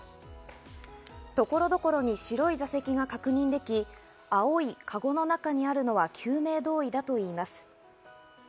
所々に白い座席が確認でき、青いかごの中にあるのは救命胴衣だといいます。